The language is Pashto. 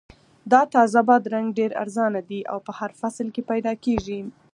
دا تازه بادرنګ ډېر ارزانه دي او په هر فصل کې پیدا کیږي.